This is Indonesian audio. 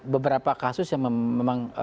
beberapa kasus yang memang